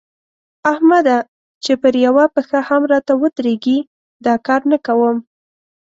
احمده! چې پر يوه پښه هم راته ودرېږي؛ دا کار نه کوم.